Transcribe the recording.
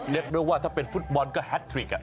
เรียกแม่ว่าถ้าเป็นฝุ่นบอลก็แฮตริก